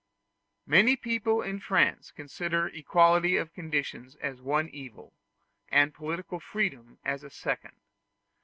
Many people in France consider equality of conditions as one evil, and political freedom as a second.